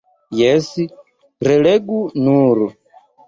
Jes, relegu nur!